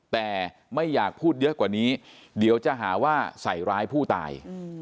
แต่ไม่อยากพูดเยอะกว่านี้เดี๋ยวจะหาว่าใส่ร้ายผู้ตาย